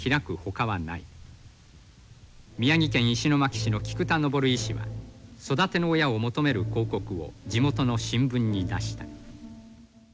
宮城県石巻市の菊田昇医師は育ての親を求める広告を地元の新聞に出した。